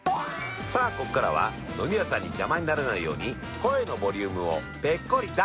ここからは飲み屋さんに邪魔にならないように声のボリュームをぺっこりダウン。